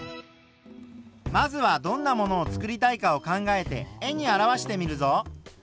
まずはどんなものをつくりたいかを考えて絵に表してみるぞ。